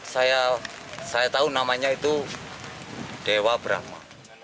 saya tahu namanya itu dewa brahma